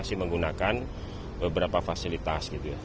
masih menggunakan beberapa fasilitas gitu ya